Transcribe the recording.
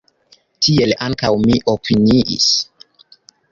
Tiel ankaŭ mi opiniis.